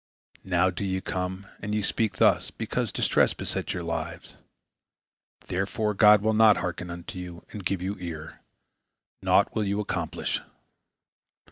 Now do ye come, and ye speak thus, because distress besets your lives. Therefore God will not hearken unto you and give you ear; naught will you accomplish!"